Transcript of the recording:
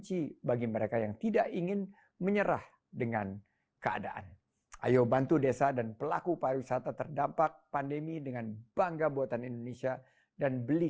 sebaik mungkin untuk perjalanan para pengusaha di indonesia ini